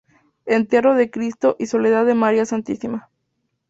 Entierro de Cristo y Soledad de María Santísima.